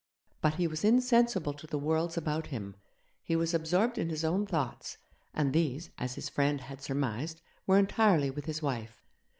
But he was insensible to the worlds about him; he was absorbed in his own thoughts, and these, as his friend had surmised, were entirely with his wife.